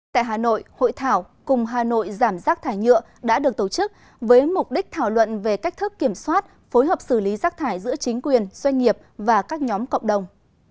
tại hà nội hội thảo cùng hà nội giảm rác thải nhựa đã được tổ chức với mục đích thảo luận về cách thức kiểm soát phối hợp xử lý rác thải giữa chính quyền doanh nghiệp và các nhóm cộng đồng